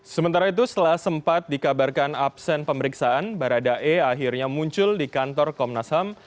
sementara itu setelah sempat dikabarkan absen pemeriksaan baradae akhirnya muncul di kantor komnas ham